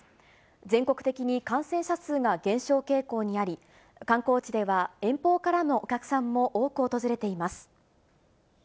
全国的に感染者数が減少傾向にあり、観光地では遠方からのお客さんも多く訪れています。